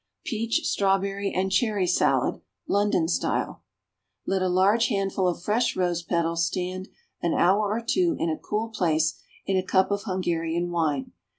=Peach, Strawberry and Cherry Salad.= (London style.) Let a large handful of fresh rose petals stand an hour or two in a cool place in a cup of Hungarian wine.